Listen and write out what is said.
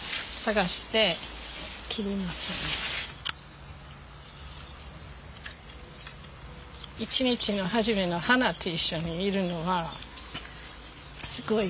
一日の始めの花と一緒にいるのはすごい気持ちいいです。